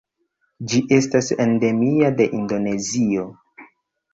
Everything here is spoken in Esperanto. Ĝi estas endemia de Indonezio.